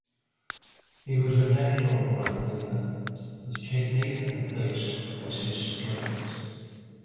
He was a natural right winger, with technique and pace as his strengths.